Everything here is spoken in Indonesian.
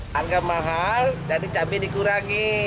harga mahal jadi cabai dikurangi